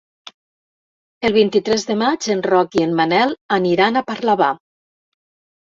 El vint-i-tres de maig en Roc i en Manel aniran a Parlavà.